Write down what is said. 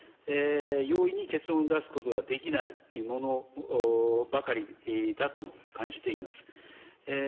容易に結論を出すことができないものばかりだと感じています。